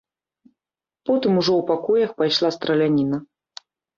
Потым ужо ў пакоях пайшла страляніна.